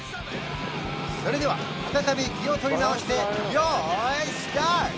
それでは再び気を取り直してよいスタート！